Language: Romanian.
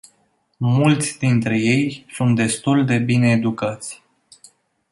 Mulți dintre ei sunt destul de bine educați.